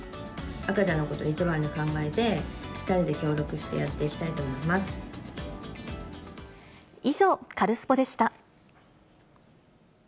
赤ちゃんのこと一番に考えて、２人で協力してやっていきたいと以上、カルスポっ！でした。